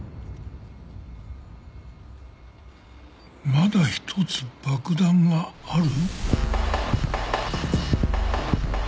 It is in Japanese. まだ１つ爆弾がある？